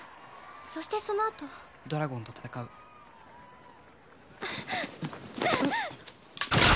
そしてそのあとドラゴンと戦うあっああっ！